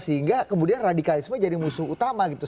sehingga kemudian radikalisme jadi musuh utama gitu